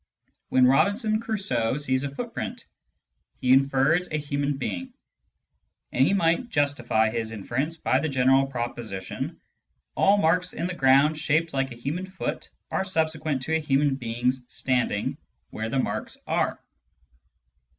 When Robinson Crusoe sees a footprint, he infers a human being, and he might justify his inference by the general proposition, " All marks in the ground shaped like a human foot are subsequent to a human being's standing where the marks are."